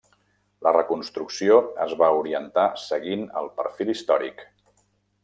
La reconstrucció es va orientar seguint el perfil històric.